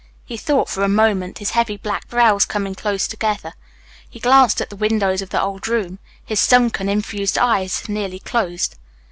He thought for a moment, his heavy, black brows coming closer together. He glanced at the windows of the old room. His sunken, infused eyes nearly closed.